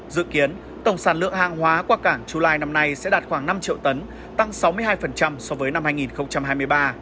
dự kiến tổng sản lượng hàng hóa qua cảng chu lai năm nay sẽ đạt khoảng năm triệu tấn tăng sáu mươi hai so với năm hai nghìn hai mươi ba